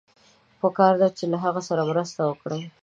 پکار ده چې له هغه سره مرسته وکړئ.